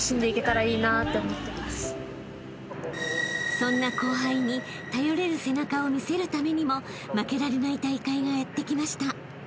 ［そんな後輩に頼れる背中を見せるためにも負けられない大会がやってきました］